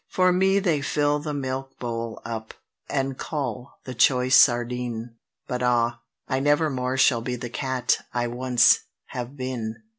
For me they fill the milkbowl up, and cull the choice sardine: But ah! I nevermore shall be the cat I once have been!